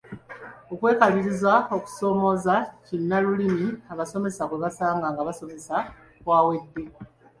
Okwekaliriza okusoomooza kinnalulimi abasomesa kwe basanga nga basomesa kwawedde.